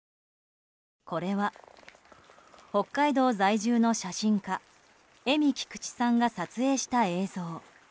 これは、北海道在住の写真家ＥｍｉＫｉｋｕｃｈｉさんが撮影した映像。